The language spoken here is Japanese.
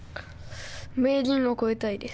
名人を超えたいです。